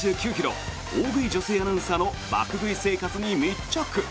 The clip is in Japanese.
大食い女性アナウンサーの爆食い生活に密着！